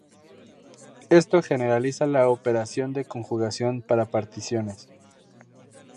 Esto generaliza la operación de conjugación para particiones.